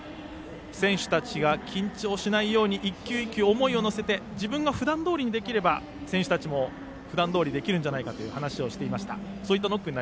選手たちが緊張しないように１球１球、思いを乗せて自分が普段どおりにできれば選手たちも普段どおりできるんじゃないかという話をしていました。